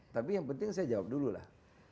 tapi yang penting saya jawab dulu lah